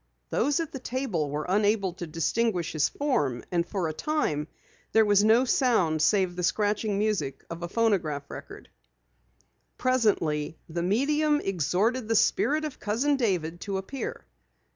Those at the table were unable to distinguish his form, and for a time there was no sound save the scratching music of a phonograph record. Presently the medium exhorted the Spirit of Cousin David to appear.